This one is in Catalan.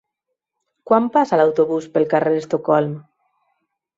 Quan passa l'autobús pel carrer Estocolm?